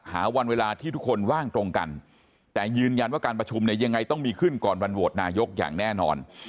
หาวันเวลาที่ทุกคนว่างตรงกันแต่ยืนยันว่าการประชุมเนี่ยยังไงต้องมีขึ้นก่อนวันโหวตนายกอย่างแน่นอน